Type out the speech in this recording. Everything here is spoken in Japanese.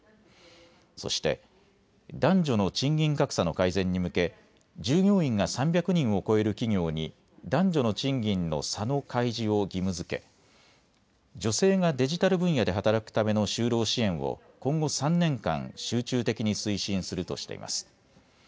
そして、男女の賃金格差の改善に向け、従業員が３００人を超える企業に男女の賃金の差の開示を義務づけ女性がデジタル分野で働くための就労支援を今後３年間、集中的に推進するとしています。